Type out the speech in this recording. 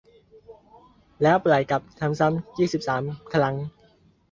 แล้วปล่อยกลับ ทำซ้ำ ยี่สิบสาม ครั้ง